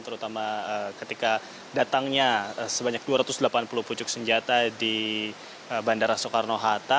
terutama ketika datangnya sebanyak dua ratus delapan puluh pucuk senjata di bandara soekarno hatta